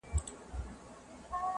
څه همت څه ارادې څه حوصلې سه-